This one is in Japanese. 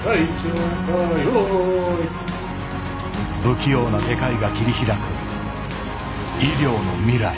不器用な外科医が切り開く医療の未来。